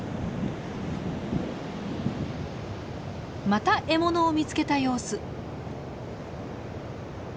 また獲物を見つけた様子。